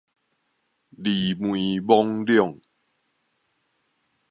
魑魅魍魎